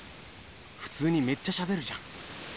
普通にめっちゃしゃべるじゃん。